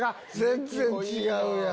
全然違うやん。